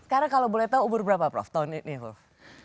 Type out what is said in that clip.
karena kalau boleh tahu umur berapa prof tahun ini ya prof